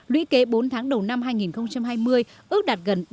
lũy kế bốn tháng đầu năm hai nghìn hai mươi ước đạt gần